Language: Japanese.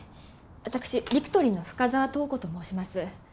私ビクトリーの深沢塔子と申します